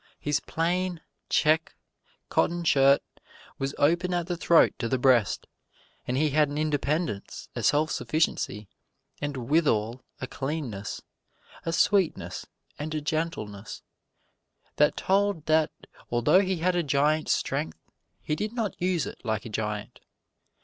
His plain, check, cotton shirt was open at the throat to the breast; and he had an independence, a self sufficiency, and withal a cleanliness, a sweetness and a gentleness, that told that, although he had a giant's strength, he did not use it like a giant.